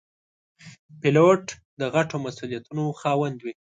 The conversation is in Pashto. پیلوټ د غټو مسوولیتونو خاوند وي.